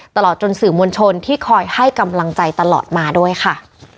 ตลอดจนสื่อมวลชนที่คอยให้กำลังใจตลอดมาด้วยค่ะ